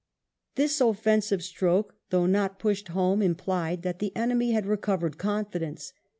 This offensive stroke, though not pushed home, implied that the enemy had recovered confidence.